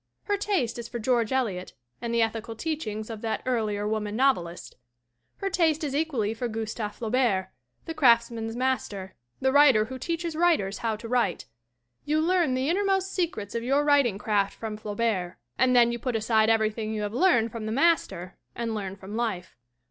Her taste is for George Eliot and the ethical teachings of that earlier woman novelist. Her taste is equally for Gustave Flaubert, the "craftsman's master," the writer who teaches writers how to write. You learn the inner most secrets of your writing craft from Flaubert and then you put aside everything you have learned from the master and learn from life.